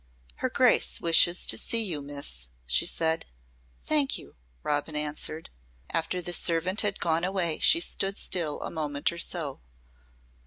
"Her grace wishes to see you, Miss," she said. "Thank you," Robin answered. After the servant had gone away she stood still a moment or so.